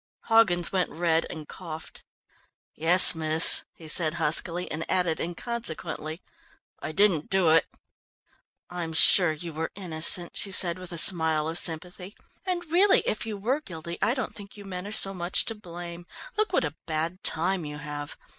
Hoggins went red and coughed. "Yes, miss," he said huskily and added inconsequently, "I didn't do it!" "I'm sure you were innocent," she said with a smile of sympathy, "and really if you were guilty I don't think you men are so much to blame. Look what a bad time you have!